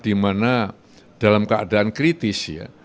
di mana dalam keadaan kritis ya